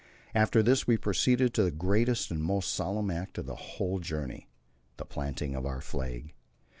After this we proceeded to the greatest and most solemn act of the whole journey the planting of our flag.